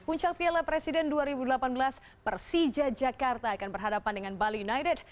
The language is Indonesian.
puncak piala presiden dua ribu delapan belas persija jakarta akan berhadapan dengan bali united